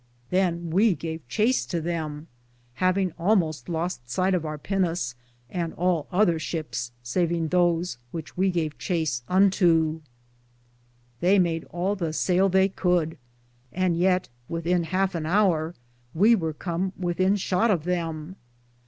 Than we gave chace to them, havinge almoste loste sighte of our pinis, and all other shipes savinge those which we gave chace unto. They made all the sayle they coulde, and yeat with in halfe an hour we weare come with in shott of them.